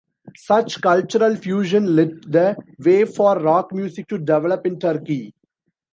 Such cultural fusion led the way for rock music to develop in Turkey.